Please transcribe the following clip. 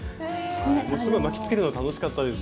巻きつけるの楽しかったです。